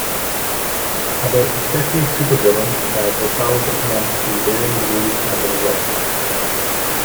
About fifty supervillains have their powers enhanced to varying degrees as a result.